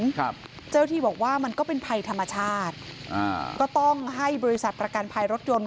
ครับเจ้าที่บอกว่ามันก็เป็นภัยธรรมชาติอ่าก็ต้องให้บริษัทประกันภัยรถยนต์